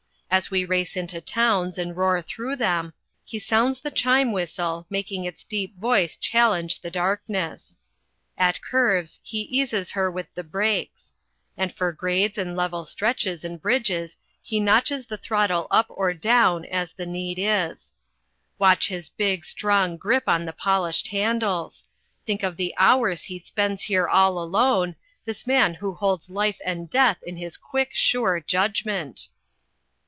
As we race into towns and roar through them, he sounds the chime whistle, making its deep voice challenge the darkness. At curves he eases her with the brakes. And for grades and level stretches and bridges he notches the throttle up or down as the need is. Watch his big, strong grip on the polished handles! Think of the hours he spends here all alone, this man who holds life and death in his quick, sure judgment!